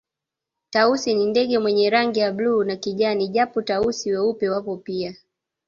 Tausi ni ndege mwenye rangi ya bluu na kijani japo Tausi weupe wapo pia